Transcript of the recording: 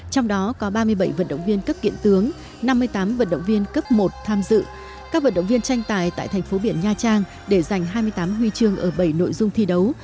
trong đó có ba mươi bảy vận động viên cấp kiện tướng năm mươi tám vận động viên cấp một tham dự các vận động viên tranh tài tại thành phố biển nha trang để giành hai mươi tám huy chương ở bảy nội dung thi đấu